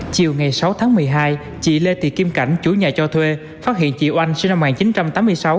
chiều ngày sáu tháng một mươi hai chị lê thị kim cảnh chủ nhà cho thuê phát hiện chị oanh sinh năm một nghìn chín trăm tám mươi sáu